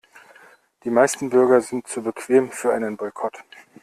Die meisten Bürger sind zu bequem für einen Boykott.